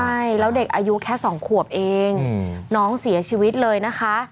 ใช่แล้วเด็กอายุแค่๒ขวบเองน้องเสียชีวิตเลยนะคะ